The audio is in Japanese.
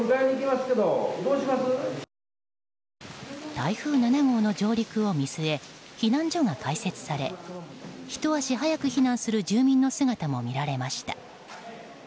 台風７号の上陸を見据え避難所が開設されひと足早く避難する住民の姿も見られました。